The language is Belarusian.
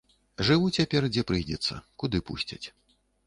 Жыву цяпер, дзе прыйдзецца, куды пусцяць.